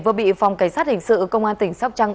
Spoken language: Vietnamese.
vừa bị phòng cảnh sát hình sự công an tỉnh sóc trăng